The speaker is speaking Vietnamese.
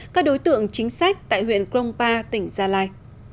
các đối tượng chính sách tại huyện krongpa tỉnh gia lai